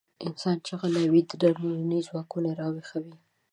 انسان چې غلی وي، دروني ځواکونه راويښوي.